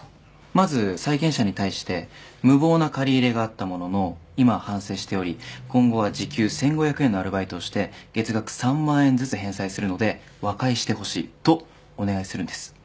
まず債権者に対して「無謀な借り入れがあったものの今は反省しており今後は時給１５００円のアルバイトをして月額３万円ずつ返済するので和解してほしい」とお願いするんです。